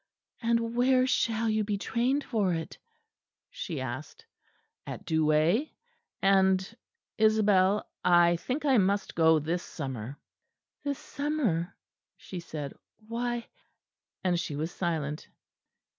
"And where shall you be trained for it?" she asked. "At Douai: and Isabel I think I must go this summer." "This summer!" she said. "Why " and she was silent.